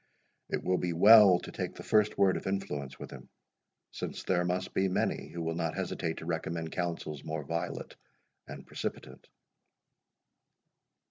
It will be well to take the first word of influence with him, since there must be many who will not hesitate to recommend counsels more violent and precipitate."